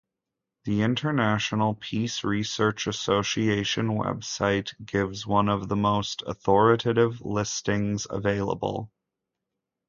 The International Peace Research Association website gives one of the most authoritative listings available.